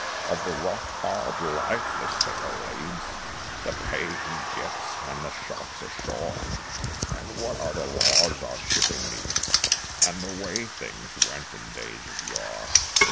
Of the rough hard life the sailor leads, The pay he gets and the sharks ashore, And what are the laws our shipping needs, And the way things went in days of yore.